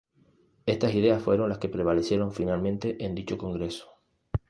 Estas ideas fueron las que prevalecieron finalmente en dicho Congreso.